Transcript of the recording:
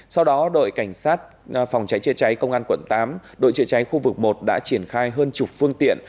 sau đó đội cảnh sát phòng cháy chữa cháy công an quận tám đội chữa cháy khu vực một đã triển khai hơn chục phương tiện